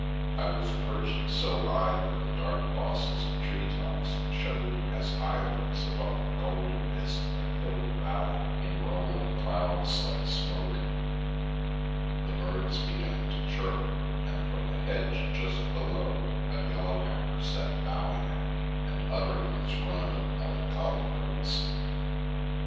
I was perched so high that the dark bosses of tree tops showed as islands above the golden mist that filled the valley in rolling clouds like smoke; the birds began to chirp, and from the hedge just below a yellow hammer sat bowing at me and uttering his run of melancholy notes.